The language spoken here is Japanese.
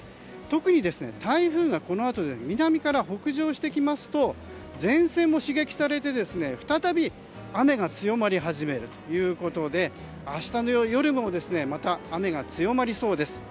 特に台風がこのあと南から北上してきますと前線も刺激されて、再び雨が強まり始めるということで明日の夜もまた雨が強まりそうです。